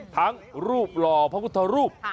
รูปหล่อพระพุทธรูป